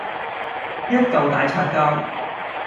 一嚿大擦膠